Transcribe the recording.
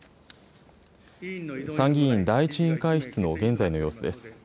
参議院第１委員会室の現在の様子です。